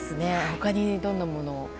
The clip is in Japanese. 他にどんなものを？